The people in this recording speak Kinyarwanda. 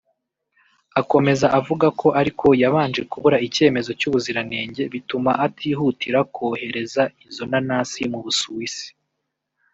Akomeza avuga ko ariko yabanje kubura icyemezo cy’ubuziranenge bituma atihutira kohereza izo nanasi mu Busuwisi